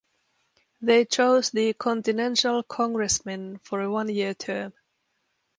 They chose the Continental Congressmen for a one-year term.